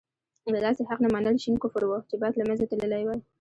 د داسې حق نه منل شين کفر وو چې باید له منځه تللی وای.